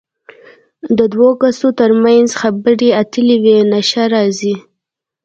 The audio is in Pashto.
د دوو کسو تر منځ خبرې اترې وي نښه راځي.